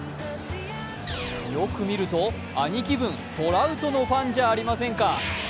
よく見ると、兄貴分トラウトのファンじゃありませんか。